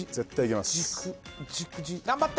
頑張って。